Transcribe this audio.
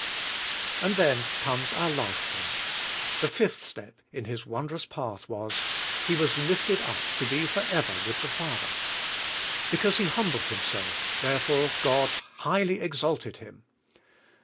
And then comes our last point. The fifth step in His wondrous path was: He was lifted up to be forever with the Father. Because He humbled Himself, therefore God highly exalted Him.